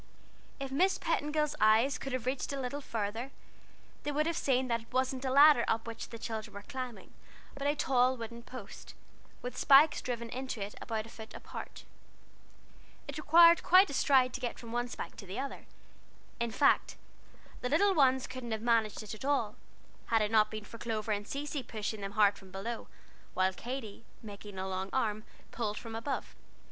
If Miss Petingill's eyes could have reached a little farther, they would have seen that it wasn't a ladder up which the children were climbing, but a tall wooden post, with spikes driven into it about a foot apart. It required quite a stride to get from one spike to the other; in fact the littler ones couldn't have managed it at all, had it not been for Clover and Cecy "boosting" very hard from below, while Katy, making a long arm, clawed from above.